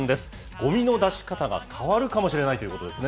ごみの出し方が変わるかもしれないということですね。